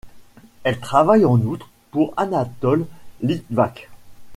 Elle travaille en outre pour Anatole Litvak.